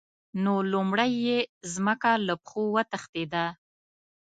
نو لومړی یې ځمکه له پښو وتښتېده.